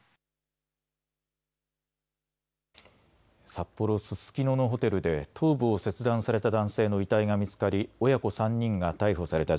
札幌ススキノのホテルで頭部を切断された男性の遺体が見つかり親子３人が逮捕された